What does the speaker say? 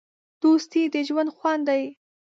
دوستي د ژوند خوند دی.